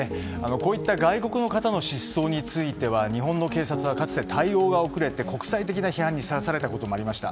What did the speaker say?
こういった外国の方の失踪については日本の警察はかつて対応が遅れて国際的な批判にさらされたこともありました。